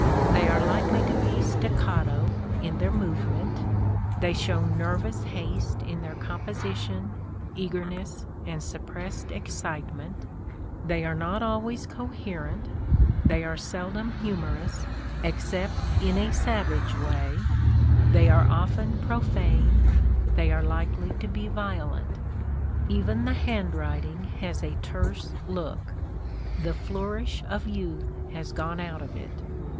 They are likely to be staccato in their movement; they show nervous haste in their composition, eagerness, and suppressed excite ment; they are not always coherent; they are seldom humorous, except in a savage way; they are often pro fane ; they are likely to be violent. Even the handwrit ing has a terse look ; the flourish of youth has gone out of it.